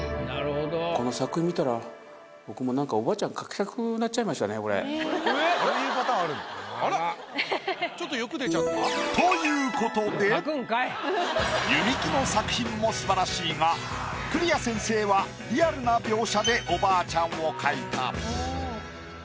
この作品見たら僕もなんかこういうパターンあるの？ということで弓木の作品も素晴らしいが栗屋先生はリアルな描写でおばあちゃんを描いた。